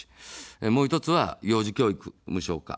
もう１つは幼児教育無償化。